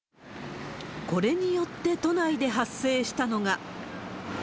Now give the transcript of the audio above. これによって都内で発生したのが。